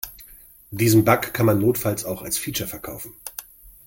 Diesen Bug kann man notfalls auch als Feature verkaufen.